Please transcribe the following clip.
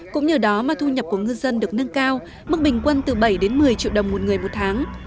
cũng nhờ đó mà thu nhập của ngư dân được nâng cao mức bình quân từ bảy đến một mươi triệu đồng một người một tháng